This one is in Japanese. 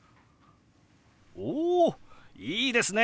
おいいですね！